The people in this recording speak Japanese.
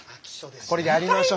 これやりましょ。